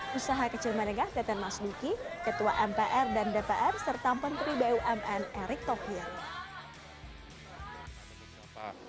we are kecil manegah daten masmuki ketua mpr dan dpr serta menteri dmn eritz